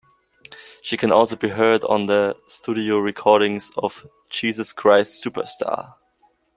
She can also be heard on the studio recording of "Jesus Christ Superstar".